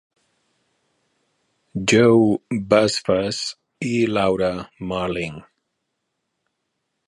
Joe Buzzfuzz i Laura Marling.